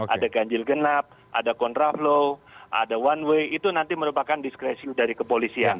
ada ganjil genap ada contraflow ada one way itu nanti merupakan diskresi dari kepolisian